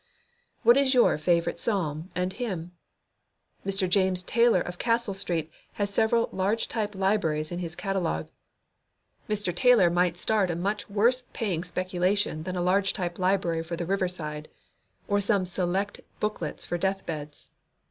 What is your favourite psalm and hymn? Mr. James Taylor of Castle Street has several large type libraries in his catalogue. Mr. Taylor might start a much worse paying speculation than a large type library for the river side; or, some select booklets for deathbeds.